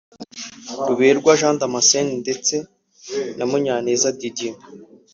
Ruberwa Jean Damascene ndetse na Munyaneza Didier